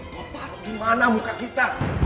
loh tahu di mana muka kita